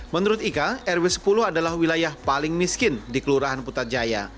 menurut ika rw sepuluh adalah wilayah paling miskin di kelurahan putrajaya